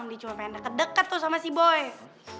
dia cuma pengen deket deket tuh sama si boy